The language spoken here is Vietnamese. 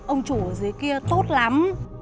ông chủ ở dưới kia tốt lắm